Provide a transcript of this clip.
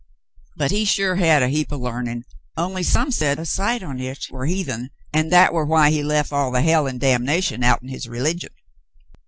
But he sure hed a heap o' larnin', only some said a sight on hit war heathen, an' that war why he lef all the hell an' damnation outen his religion."